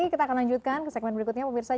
kita akan lanjutkan ke segmen berikutnya pemirsa